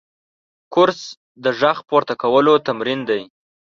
کورس د غږ پورته کولو تمرین دی.